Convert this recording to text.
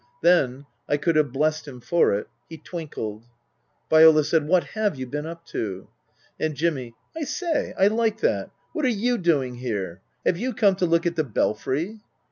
Then (I could have blessed him for it) he twinkled. Viola said, " What have you been up to ?" And Jimmy, " I say, I like that ! What are you doing here ? Have you come to look at the Belfry